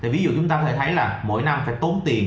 ví dụ chúng ta có thể thấy là mỗi năm phải tốn tiền